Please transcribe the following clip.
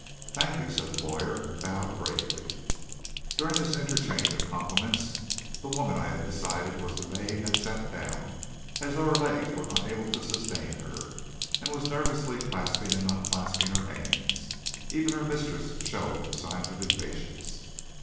"Thank you," said the lawyer, and bowed gravely. During this interchange of compliments, the woman I had decided was the maid had sat down, as though her legs were unable to sustain her, and was nervously clasping and unclasping her hands; even her mistress showed signs of impatience.